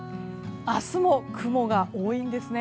明日も雲が多いんですね。